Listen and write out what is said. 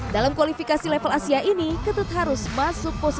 dalam kualifikasi level asia ini ketut harus masuk posisi lima puluh lima